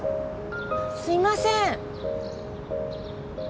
すいません。